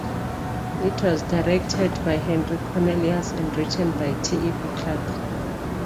It was directed by Henry Cornelius and written by T. E. B. Clarke.